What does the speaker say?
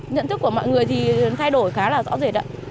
nhận thức của mọi người thì thay đổi khá là rõ rệt